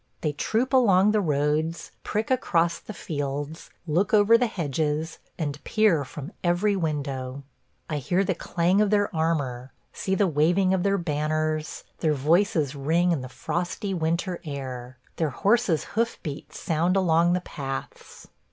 They troop along the roads, prick across the fields, look over the hedges, and peer from every window. I hear the clang of their armor, see the waving of their banners; their voices ring in the frosty winter air, their horses' hoof beats sound along the paths.